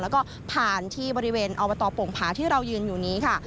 แล้วก็ผ่านที่บริเวณอบตโป่งผาที่เรายืนอยู่นี้ค่ะ